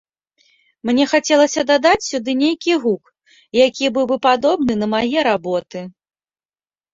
Мне хацелася дадаць сюды нейкі гук, які быў бы падобны на мае работы.